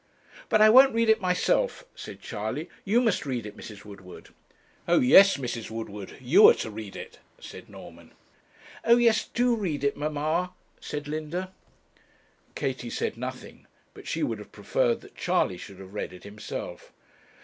'But I won't read it myself,' said Charley; 'you must read it, Mrs. Woodward.' 'O yes, Mrs. Woodward, you are to read it,' said Norman. 'O yes, do read it, manna,' said Linda. Katie said nothing, but she would have preferred that Charley should have read it himself.